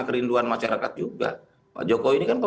kerinduan masyarakat juga pak jokowi ini kan